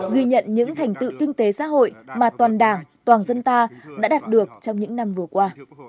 ghi nhận những thành tựu kinh tế xã hội mà toàn đảng toàn dân ta đã đạt được trong những năm vừa qua